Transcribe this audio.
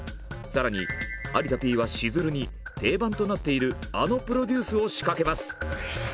更に有田Ｐはしずるに定番となっているあのプロデュースを仕掛けます。